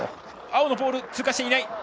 青のポール通過していない。